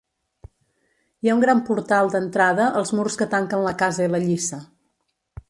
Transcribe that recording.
Hi ha un gran portal d'entrada als murs que tanquen la casa i la lliça.